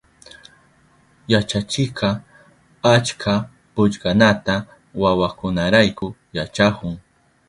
Yachachikka achka pukllanata wawakunarayku yachahun.